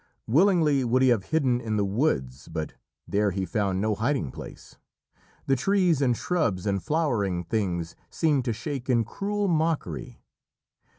Willingly would he have hidden in the woods, but there he found no hiding place. The trees and shrubs and flowering things seemed to shake in cruel mockery.